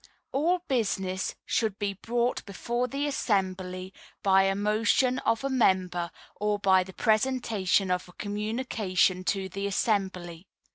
All business should be brought before the assembly by a motion of a member, or by the presentation of a communication to the assembly.